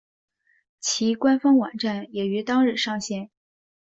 其官方网站也于当日上线。